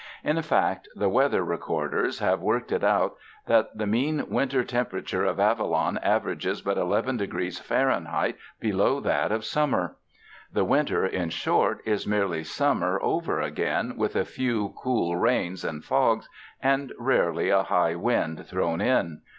In fact the weather recorders have worked it out that the mean winter temperature of Avalon averages but eleven degrees Fahrenheit be low that of summer. The winter, in short, is merely summer over again with a few cool rains and fogs, and rarely a high wind thrown in.